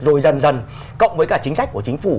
rồi dần dần cộng với cả chính sách của chính phủ